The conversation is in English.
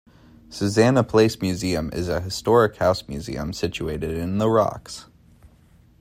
Susannah Place Museum is a historic house museum situated in The Rocks.